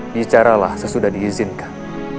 bicaralah sesudah diizinkan